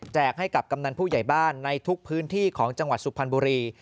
ให้กับกำนันผู้ใหญ่บ้านในทุกพื้นที่ของจังหวัดสุพรรณบุรี